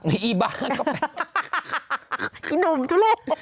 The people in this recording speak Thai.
นี่อีบ้านก็แป้งนุ่มก็เล่น